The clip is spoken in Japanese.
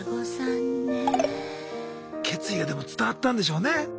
決意がでも伝わったんでしょうね。